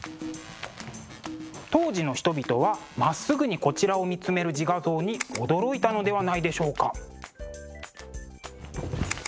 当時の人々はまっすぐにこちらを見つめる自画像に驚いたのではないでしょうか？